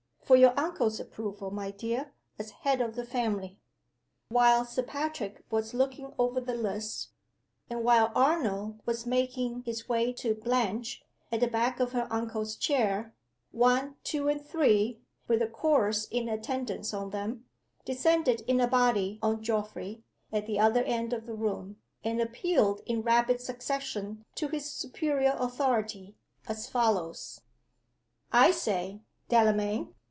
"For your uncle's approval, my dear, as head of the family." While Sir Patrick was looking over the list, and while Arnold was making his way to Blanche, at the back of her uncle's chair, One, Two, and Three with the Chorus in attendance on them descended in a body on Geoffrey, at the other end of the room, and appealed in rapid succession to his superior authority, as follows: "I say, Delamayn.